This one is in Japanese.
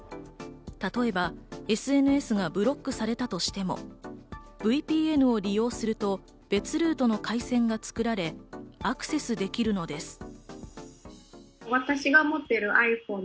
例えば、ＳＮＳがブロックされたとしても、ＶＰＮを利用すると別ルートの回線が作られアクセスできるのです。